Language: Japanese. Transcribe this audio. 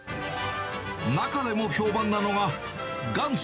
中でも評判なのが、元祖！